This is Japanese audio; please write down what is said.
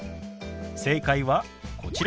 正解はこちら。